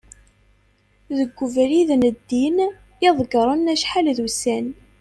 deg ubrid n ddin i ḍegreɣ acḥal d ussan